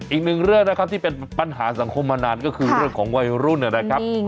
อีกหนึ่งเรื่องนะครับที่เป็นปัญหาสังคมมานานก็คือเรื่องของวัยรุ่นนะครับ